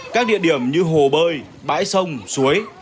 các địa điểm như hồ bơi bãi sông suối